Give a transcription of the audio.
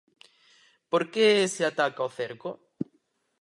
¿Por que se ataca o cerco?